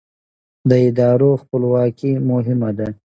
د ادارو خپلواکي مهمه ده